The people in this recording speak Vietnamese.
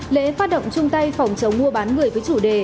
lễ phát động chung tay phòng chống mua bán người với chủ đề